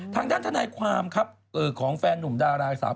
ทางด้านทนายความครับของแฟนหนุ่มดาราสาว